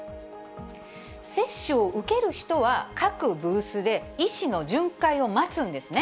接種を受ける人は、各ブースで医師の巡回を待つんですね。